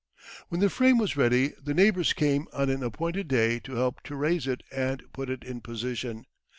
When the frame was ready, the neighbours came on an appointed day to help to raise it and put it in position.